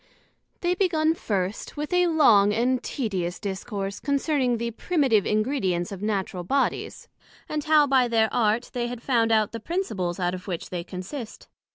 They begun first with a long and tedious Discourse concerning the Primitive Ingredients of Natural bodies; and how, by their Art, they had found out the principles out of which they consist.